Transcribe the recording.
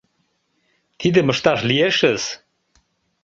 — Тидым ышташ лиешыс.